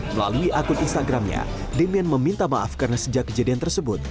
melalui akun instagramnya demian meminta maaf karena sejak kejadian tersebut